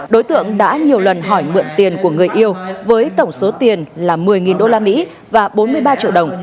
đối tượng đã nhiều lần hỏi mượn tiền của người yêu với tổng số tiền là một mươi usd và bốn mươi ba triệu đồng